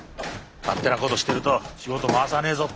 「勝手なことしてると仕事回さねえぞ」